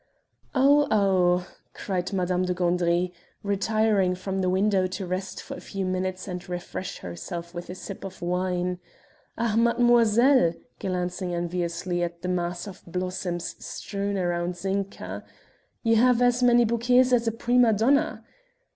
"Oh, oh!" cried Madame de Gandry, retiring from the window to rest for a few minutes and refresh herself with a sip of wine. "Ah, mademoiselle!" glancing enviously at the mass of blossoms strewn round Zinka, "you have as many bouquets as a prima donna!"